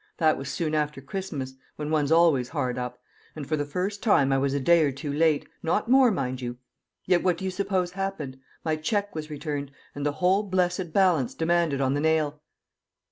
That was soon after Christmas, when one's always hard up, and for the first time I was a day or two late not more, mind you; yet what do you suppose happened? My cheque was returned, and the whole blessed balance demanded on the nail!"